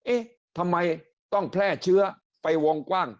เอ๊ะทำไมต้องแพร่เชื้อไปวงกว้าง